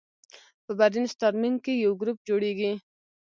په برین سټارمینګ کې یو ګروپ جوړیږي.